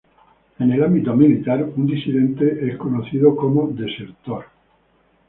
En el ámbito militar, un disidente es conocido como "desertor".